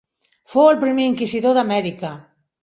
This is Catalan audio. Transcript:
Fou el primer inquisidor d'Amèrica.